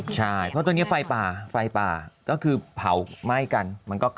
ใช่เพราะตัวนี้ไฟป่าก็คือเผาไหม้กันมันก็ขะคุ้ง